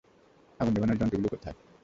আগুন নেভানোর যন্ত্রগুলো কোথায়?